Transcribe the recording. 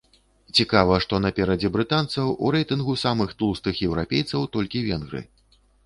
Цікава, што наперадзе брытанцаў у рэйтынгу самых тлустых еўрапейцаў толькі венгры.